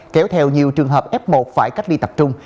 kéo theo nhiều trường hợp f một phải cách ly tập trung